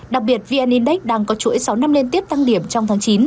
đặc biệt vn index đang có chuỗi sáu năm liên tiếp tăng điểm trong tháng chín